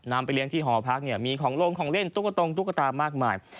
นำไปเลี้ยงที่หอพักมีของโรงของเล่นตุ๊กโต๊งตุ๊กตามากมาย